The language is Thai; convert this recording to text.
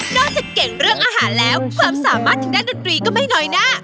จะเก่งเรื่องอาหารแล้วความสามารถทางด้านดนตรีก็ไม่น้อยหน้า